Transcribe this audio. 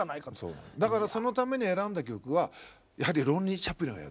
だからそのために選んだ曲はやはり「ロンリー・チャップリン」を。